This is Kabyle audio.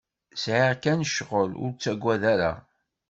Sɛiɣ kan cɣel, ur taggad ara.